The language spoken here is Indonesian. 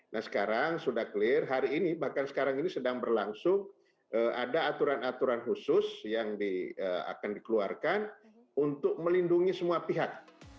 nah sekarang sudah clear hari ini bahkan sekarang ini sedang berlangsung ada aturan aturan khusus yang akan dikeluarkan untuk melindungi semua pihak